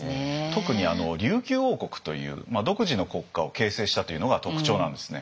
特に琉球王国という独自の国家を形成したというのが特徴なんですね。